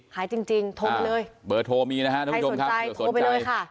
ขายจริงจริงโทรไปเลยเบอร์โทรมีนะฮะทุกคนค่ะใครสนใจโทรไปเลยค่ะ